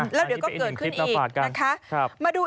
แล้วเดี๋ยวก็เกิดขึ้นอีกนะคะ